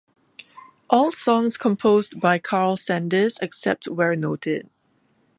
All songs composed by Karl Sanders, except where noted.